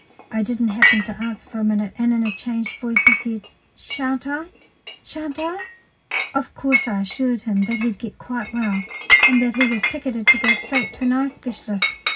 I didn't happen to answer for a minute, and in a changed voice he said, "Shan't I? shan't I?" Of course I assured him he'd get quite well, and that he was ticketed to go straight to an eye specialist.